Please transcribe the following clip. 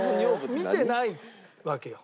見てないわけよ。